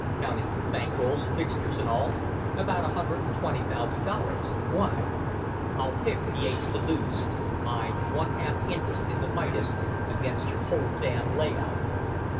"Counting bank rolls, fixtures, and all, about a hundred and twenty thousand dollars. Why?" "I'll pick the ace to lose, my one half interest in the Midas against your whole damned lay out!"